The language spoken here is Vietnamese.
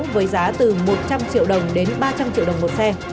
với giá từ một trăm linh triệu đồng đến ba trăm linh triệu đồng một xe